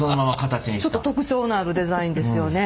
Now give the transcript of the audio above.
ちょっと特徴のあるデザインですよね。